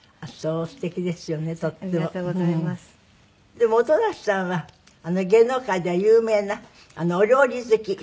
でも音無さんは芸能界では有名なお料理好き。